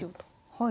はい。